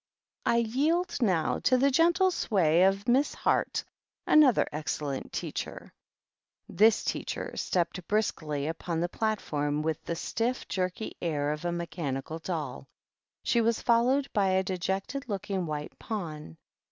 I yield now to the gentle sway of Miss Heart, another excellent teacher." This teacher stepped briskly upon the platform with the stiff, jerky air of a mechanical doll ; she was followed by a dejected looking White Pawn.